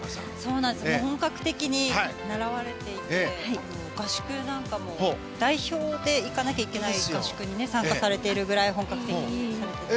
本格的に習われていて合宿なんかも代表で行かなきゃいけない合宿に参加されているぐらい本格的にされていたんです。